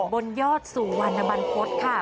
บนยอดสู่วรรณบรรพฤษค่ะ